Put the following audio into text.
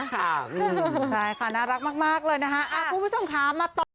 ค่ะจะไข่ท่านรักมากเลยน่ะครับ